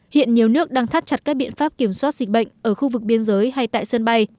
hiện nhiều nước đang thắt chặt các biện pháp kiểm soát dịch bệnh ở khu vực biên giới hay tại sân bay